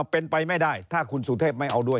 เป็นไปไม่ได้ถ้าคุณสุเทพไม่เอาด้วย